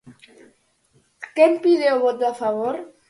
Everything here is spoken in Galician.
¿Quen pide o voto a favor?